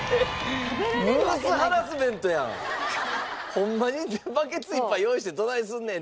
ホンマにバケツ１杯用意してどないすんねん！